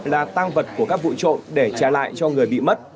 là tăng vật của các vụ trộm để trả lại cho người bị mất